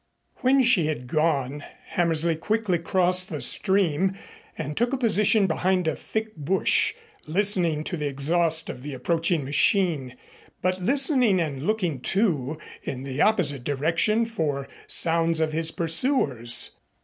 When she had gone, Hammersley quickly crossed the stream and took a position behind a thick bush, listening to the exhaust of the approaching machine, but listening and looking, too, in the opposite direction for sounds of his pursuers.